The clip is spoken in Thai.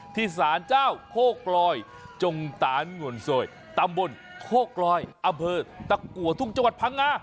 ที่สารเจ้าโคกลอยจงตานงวนซอยตำบลโคกลอยอำเภอตะกัวทุ่งจังหวัดพังงา